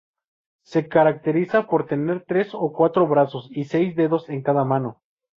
Se caracteriza por tener tres o cuatro brazos y seis dedos en cada mano.